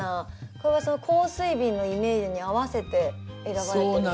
これは香水瓶のイメージに合わせて選ばれてるんですか？